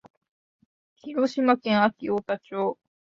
広島県安芸太田町